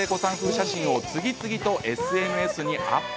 写真を次々とＳＮＳにアップ。